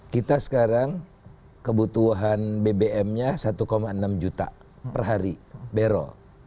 kita sekarang kebutuhan bbm nya satu enam juta per hari barrel